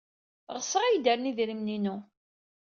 Ɣseɣ ad iyi-d-rren idrimen-inu.